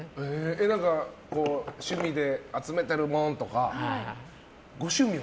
何か趣味で集めてるものとかご趣味は。